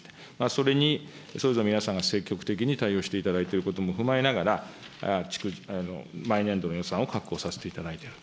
それに、それぞれの皆さんが積極的に対応していただいていることも踏まえながら、毎年度の予算を確保させていただいている。